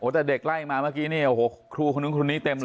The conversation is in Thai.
แต่เด็กไล่มาเมื่อกี้เนี่ยครูคนนึงคนนี้เต็มเลย